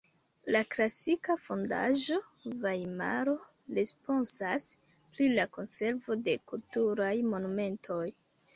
La klasika fondaĵo Vajmaro responsas pri la konservo de kulturaj monumentoj.